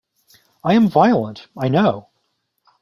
I am violent, I know.